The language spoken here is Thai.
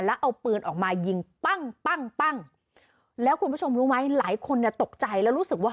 แล้วเอาปืนออกมายิงปั้งปั้งปั้งแล้วคุณผู้ชมรู้ไหมหลายคนเนี่ยตกใจแล้วรู้สึกว่า